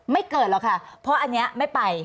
เกิดหรอกค่ะเพราะอันนี้ไม่ไป